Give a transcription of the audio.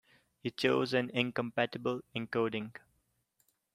You chose an incompatible encoding.